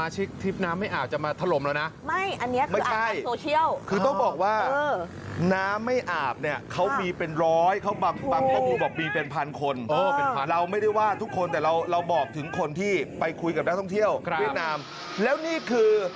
จี๊ดสิจี๊ดสิไปเบิ่นวัตเตอร์ไซส์เสียงดัง